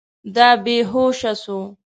دا بې هوشه سو.